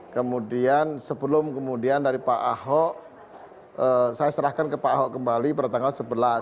kemudian sebelum kemudian dari pak ahok saya serahkan ke pak ahok kembali pada tanggal sebelas